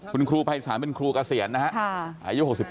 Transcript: คุณครูไพรศาลเป็นครูเกษียณนะครับ